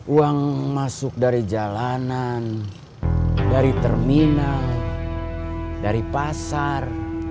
uang masuk dari jalanan dari terminal dari pasar